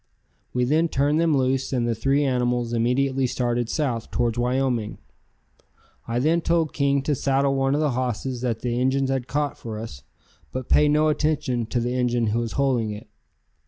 We then turned them loose and the three animals immediately started south towards Wyoming. I then told King to saddle one of the hosses that the Injuns had caught for us, but pay no attention to the Injun who was holding it.